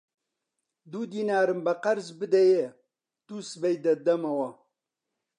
دوو دینارم بە قەرز بدەیە، دووسبەی دەتدەمەوە